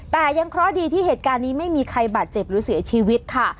แต่ยังเคราะห์ดีที่เหตุการณ์นี้ไม่มีใครบาดเจ็บหรือเสียชีวิตค่ะ